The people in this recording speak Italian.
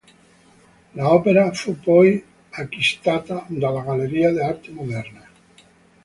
L'opera fu poi acquistata dalla Galleria d’Arte Moderna.